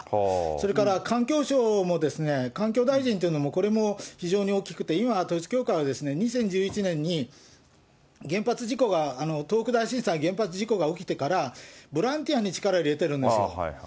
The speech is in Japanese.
それから、環境省も、環境大臣というのも、これも非常に大きくて、今は統一教会は、２０１１年に原発事故が、東北大震災、原発事故が起きてから、ボランティアに力を入れてるんですよ。